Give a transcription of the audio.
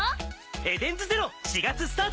『エデンズゼロ』４月スタート！